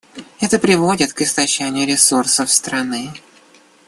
Это приводит к истощению ресурсов страны.